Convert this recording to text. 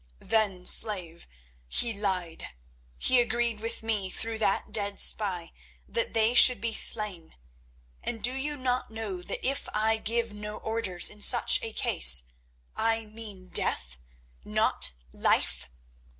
"Then, slave, he lied. He agreed with me through that dead spy that they should be slain, and do you not know that if I give no orders in such a case I mean death, not life?